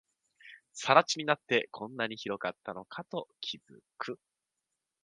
更地になって、こんなに広かったのかと気づく